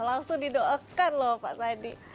langsung didoakan loh pak sandi